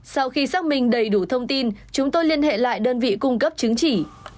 sau khi xác minh đầy đủ thông tin chúng tôi liên hệ lại đơn vị cung cấp chứng chỉ